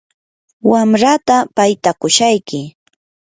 wamrataa paytakushayki.